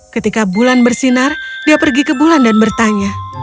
ketika bulan bersinar dia pergi ke bulan dan bertanya